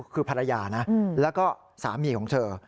คือภรรยานะแล้วก็สามีของเธอ